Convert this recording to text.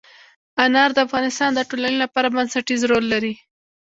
انار د افغانستان د ټولنې لپاره بنسټيز رول لري.